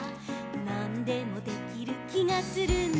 「なんでもできる気がするんだ」